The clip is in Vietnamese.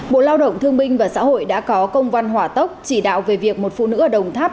bộ lao động thương minh và xã hội đã có công văn hỏa tốc chỉ đạo về việc một phụ nữ ở đồng tháp